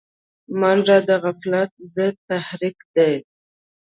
منډه د غفلت ضد تحرک دی